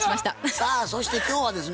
さあそして今日はですね